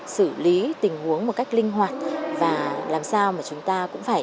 xử lý tình huống một cách linh hoạt và làm sao mà chúng ta cũng phải